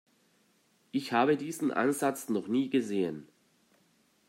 Ich habe diesen Ansatz noch nie gesehen.